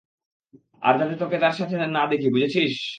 আর যাতে তোকে তার সাথে না দেখি, বুঝেছিস?